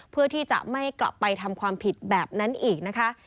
เพื่อที่จะไม่กลับไปทำความผิดแบบนั้นอีกนะคะ